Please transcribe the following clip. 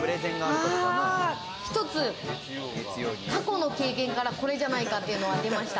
１つ過去の経験からこれじゃないかというのはありました？